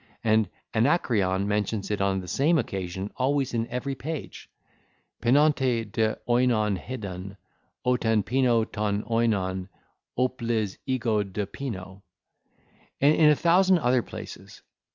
And Anacreon mentions it on the same occasion always in every page. "Pinonti de oinon hedun. Otan pino ton oinon. Opliz' ego de pino." And in a thousand other places.